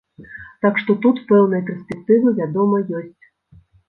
Так што тут пэўныя перспектывы, вядома, ёсць.